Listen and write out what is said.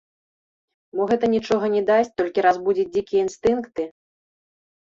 Мо гэта нічога не дасць, толькі разбудзіць дзікія інстынкты?